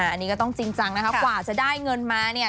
อันนี้ก็ต้องจริงจังนะคะกว่าจะได้เงินมาเนี่ย